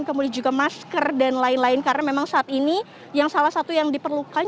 kemudian juga masker dan lain lain karena memang saat ini yang salah satu yang diperlukan